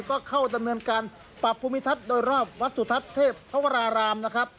ก็เข้าดำเนินการปรับภูมิทัศน์โดยรอบวัดสุทัศน์เทพวรารามนะครับ